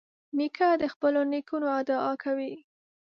نیکه د خپلو نیکونو دعا کوي.